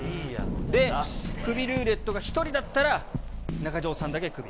で、クビルーレットが１人だったら、中条さんだけクビ。